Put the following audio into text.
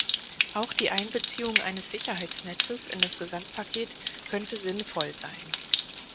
Auch die Einbeziehung eines Sicherheitsnetzes in das Gesamtpaket könnte sinnvoll sein.